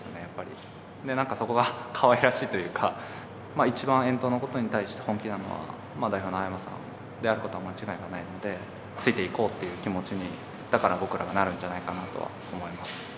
やっぱり何かそこがかわいらしいというか一番Ｅｎｔのことに対して本気なのは代表の青山さんであることは間違いがないのでついていこうっていう気持ちにだから僕らがなるんじゃないかなとは思います